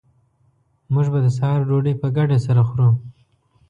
موږ به د سهار ډوډۍ په ګډه سره خورو